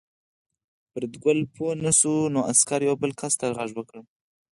فریدګل پوه نه شو نو عسکر یو بل کس ته غږ وکړ